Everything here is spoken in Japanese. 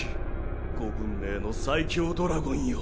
五文明の最強ドラゴンよ